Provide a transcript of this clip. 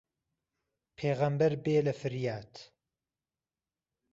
پێغهمبەر بێ له فریات